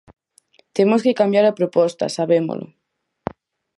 Temos que cambiar a proposta, sabémolo.